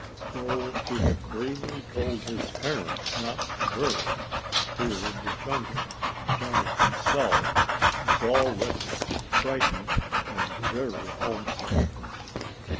Though he had bravely told his parents not to worry, here in the jungle, Johnny, himself, was already frightened and very homesick.